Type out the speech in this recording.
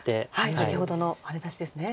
先ほどのハネ出しですね。